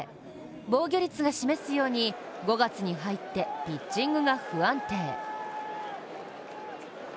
防御率が示すように５月に入ってピッチングが不安定。